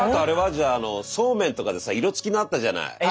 じゃああのそうめんとかでさ色つきのあったじゃない。